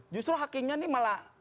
justru hakinnya ini malah